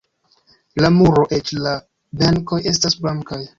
La muro, eĉ la benkoj estas blankaj.